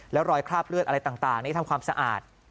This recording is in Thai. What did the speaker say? แล้วรอยคราบเลือดอะไรต่างนี่ทำความสะอาด